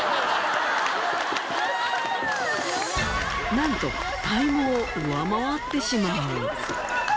なんとタイムを上回ってしまう。